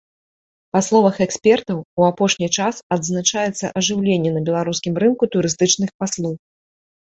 Па словах экспертаў, у апошні час адзначаецца ажыўленне на беларускім рынку турыстычных паслуг.